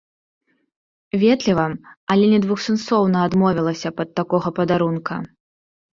Ветліва, але недвухсэнсоўна адмовіліся б ад такога падарунка.